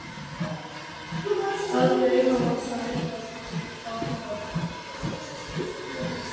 Լատվիայի համալսարանի ֆակուլտետի քարտուղար։